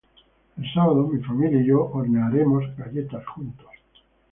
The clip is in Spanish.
El sábado, mi familia y yo hornearemos galletas juntos.